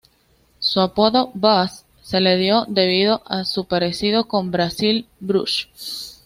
Su apodo "Baz" se le dio debido a su parecido con Basil Brush.